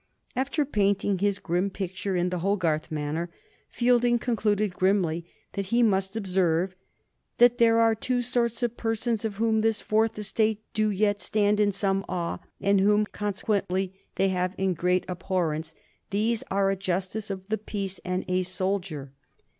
After painting his grim picture in the Hogarth manner, Fielding concluded grimly that he must observe "that there are two sorts of persons of whom this fourth estate do yet stand in some awe, and whom, consequently, they have in great abhorrence: these are a justice of the peace and a soldier.